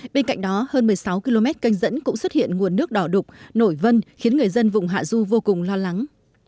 bên cạnh đó hơn một mươi sáu km canh dẫn cũng xuất hiện nguồn nước đỏ đục nổi vân khiến người dân vùng hạ du vô cùng lo lắng